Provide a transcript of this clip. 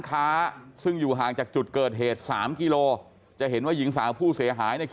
แล้วทำไมทำอย่างนั้น